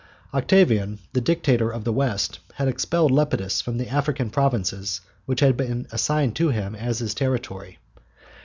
Octavian, the dictator of the West, had expelled Lepidus from the African provinces that had been assigned to him as his territory.